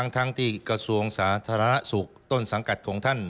ทั้งที่กระทรวงสาธารณสุขต้นสังกัดของท่าน